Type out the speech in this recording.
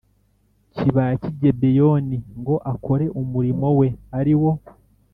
kibaya cy i Gibeyoni ngo akore umurimo we ari wo